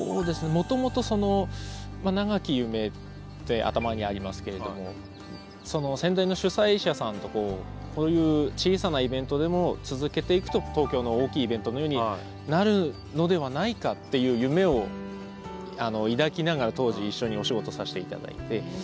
もともとその「永き夢」って頭にありますけれども先代の主催者さんとこういう続けていくと東京の大きいイベントのようになるのではないかっていう夢を抱きながら当時一緒にお仕事させて頂いて。